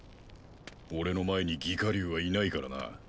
俺の前に魏火龍はいないからな。